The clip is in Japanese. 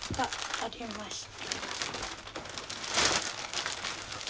ありました。